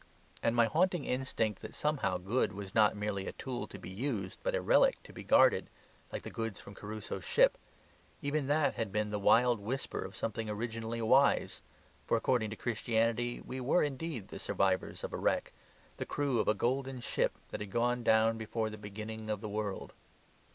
And my haunting instinct that somehow good was not merely a tool to be used, but a relic to be guarded, like the goods from Crusoe's ship even that had been the wild whisper of something originally wise, for, according to Christianity, we were indeed the survivors of a wreck, the crew of a golden ship that had gone down before the beginning of the world.